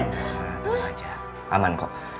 gak apa apa aja aman kok